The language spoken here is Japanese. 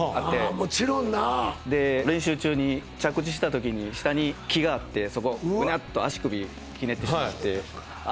もちろんなで練習中に着地したときに下に木があってそこぐにゃっと足首ひねってしまってああ